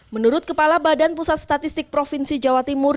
menurut kepala badan pusat statistik provinsi jawa timur